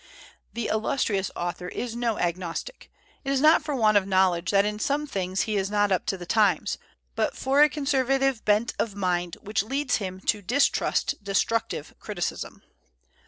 The illustrious author is no agnostic. It is not for want of knowledge that in some things he is not up to the times, but for a conservative bent of mind which leads him to distrust destructive criticism.